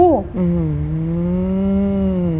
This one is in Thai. อืม